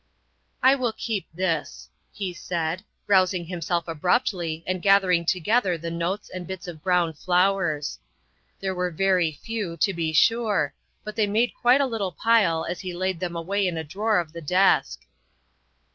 " I will keep this," he said, rousing himself abruptly and gathering together the notes and bits of brown flowers. There were very few, to be sure, but they made THE SECRETARY OF STATE 175 quite a little pile as he laid them away in a drawer of the desk.